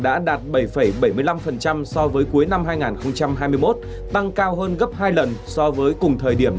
đã đạt bảy bảy mươi năm so với cuối năm hai nghìn hai mươi một tăng cao hơn gấp hai lần so với cùng thời điểm